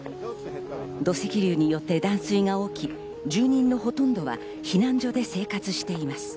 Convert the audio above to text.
土石流によって断水が起き、住人のほとんどは避難所で生活しています。